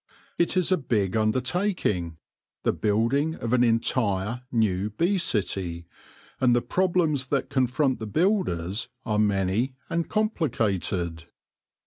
It is a big undertaking, the building of an entire, new bee city, and the problems that confront the builders are many and complicated.